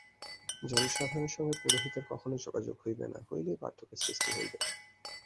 জনসাধারণের সঙ্গে পুরোহিতের কখনও যোগাযোগ হইবে না, হইলেই পার্থক্যের সৃষ্টি হইবে।